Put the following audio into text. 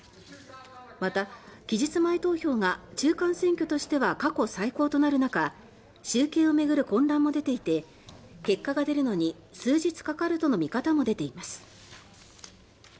また、期日前投票が中間選挙としては過去最高となる中集計をめぐる混乱も出ていて結果が出るのに数日かかるとの見方も出ています。